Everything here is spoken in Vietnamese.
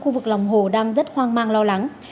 khu vực lòng hồ đang rất hoang mang lo lắng